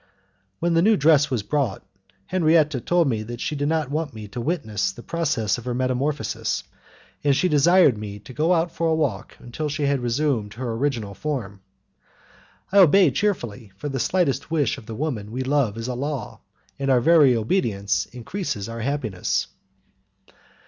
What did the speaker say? When the new dress was brought, Henriette told me that she did not want me to witness the process of her metamorphosis, and she desired me to go out for a walk until she had resumed her original form. I obeyed cheerfully, for the slightest wish of the woman we love is a law, and our very obedience increases our happiness.